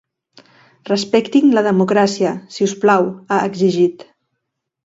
Respectin la democràcia, si us plau, ha exigit.